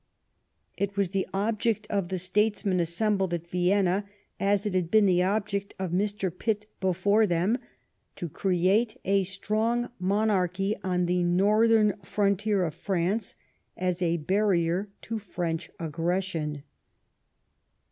It was the object of the statesmen assembled at Vienna, as it had been the object of Mr. Pitt before them, to create a strong monarchy on the northern frontier of France, as a barrier to French aggression.